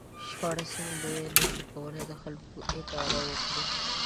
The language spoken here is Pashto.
شپاړسم لویي نشو کولای د خلکو اداره وکړي.